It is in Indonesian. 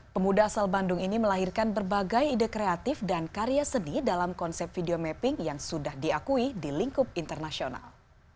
pemuda asal bandung ini melahirkan berbagai ide kreatif dan karya seni dalam konsep video mapping yang sudah diakui di lingkup internasional